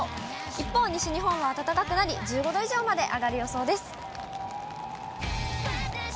一方、西日本は暖かくなり１５度以上まで上がる予想です。